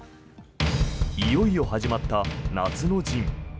いよいよ始まった夏の陣。